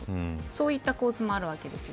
そういった構図もあるわけです。